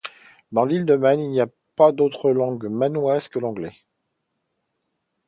Dans l’île de Man, il n’y a pas d’autre langue mannoise que l’anglais.